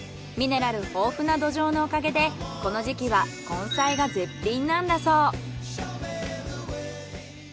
ミネラル豊富な土壌のおかげでこの時期は根菜が絶品なんだそう。